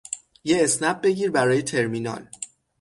یه اسنپ بگیر برای ترمینال